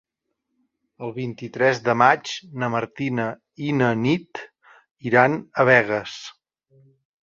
El vint-i-tres de maig na Martina i na Nit iran a Begues.